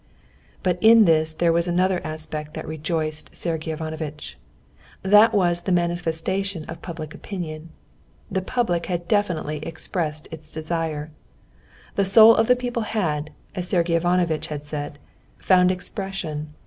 But in this there was another aspect that rejoiced Sergey Ivanovitch. That was the manifestation of public opinion. The public had definitely expressed its desire. The soul of the people had, as Sergey Ivanovitch said, found expression.